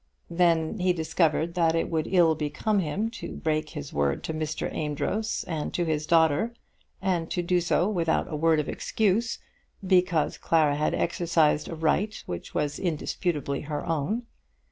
Then he discovered that it would ill become him to break his word to Mr. Amedroz and to his daughter, and to do so without a word of excuse, because Clara had exercised a right which was indisputably her own.